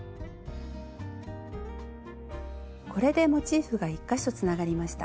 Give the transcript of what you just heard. これでモチーフが１か所つながりました。